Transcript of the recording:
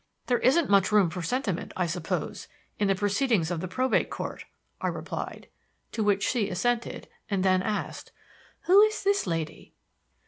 "There isn't much room for sentiment, I suppose, in the proceedings of the Probate Court," I replied. To which she assented, and then asked: "Who is this lady?"